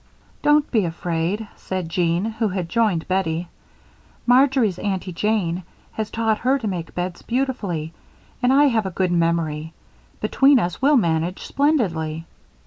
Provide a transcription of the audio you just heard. "Don't be afraid," said Jean, who had joined Bettie. "Marjory's Aunty Jane has taught her to make beds beautifully, and I have a good memory. Between us we'll manage splendidly."